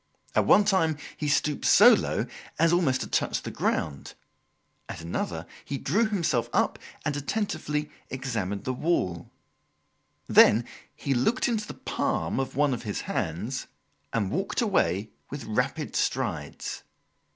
At one time he stooped so low as almost to touch the ground; at another he drew himself up and attentively examined the wall; then he looked into the palm of one of his hands, and walked away with rapid strides.